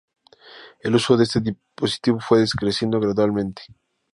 El uso de este dispositivo fue decreciendo gradualmente.